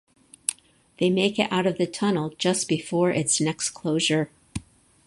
They make it out of the tunnel just before its next closure.